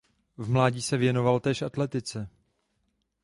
V mládí se věnoval též atletice.